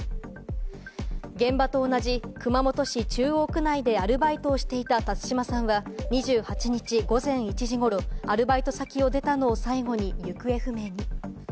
現場と同じ熊本市中央区内でアルバイトをしていた辰島さんは、２８日午前１時頃、アルバイト先を出たのを最後に行方不明に。